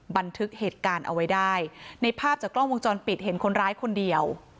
บันทึกเหตุการณ์เอาไว้ได้ในภาพจากกล้องวงจรปิดเห็นคนร้ายคนเดียว